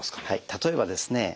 例えばですね